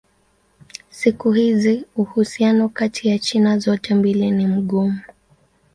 Siku hizi uhusiano kati ya China zote mbili ni mgumu.